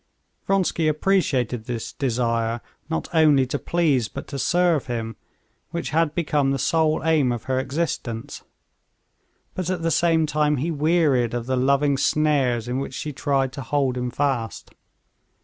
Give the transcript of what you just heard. Vronsky appreciated this desire not only to please, but to serve him, which had become the sole aim of her existence, but at the same time he wearied of the loving snares in which she tried to hold him fast.